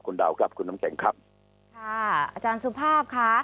คุณดาวครับคุณน้ำแข็งครับค่ะอาจารย์สุภาพค่ะ